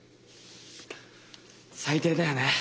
最低だよね